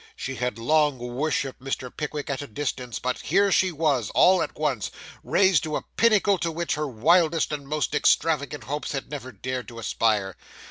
She had long worshipped Mr. Pickwick at a distance, but here she was, all at once, raised to a pinnacle to which her wildest and most extravagant hopes had never dared to aspire.